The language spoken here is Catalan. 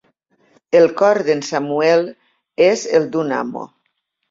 El cor d'en Samuel és el d'un amo.